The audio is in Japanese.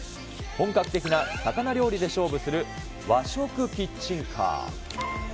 本格的な魚料理で勝負する和食キッチンカー。